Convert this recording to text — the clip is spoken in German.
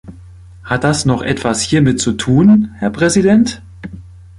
Hat das noch etwas hiermit zu tun, Herr Präsident?